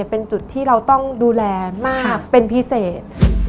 เป็นจุดที่เราต้องดูแลมากเป็นพิเศษ